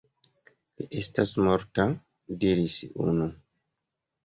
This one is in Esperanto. Li estas morta, diris unu.